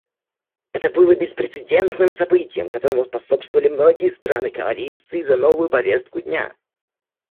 Это было беспрецедентным событием, которому способствовали многие страны Коалиции за новую повестку дня.